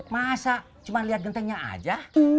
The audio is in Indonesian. masa cuman liat gentengnya aja